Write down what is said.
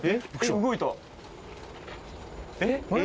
えっ？